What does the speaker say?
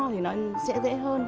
thì nó sẽ dễ hơn